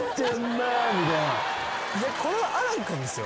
これは亜嵐君ですよ。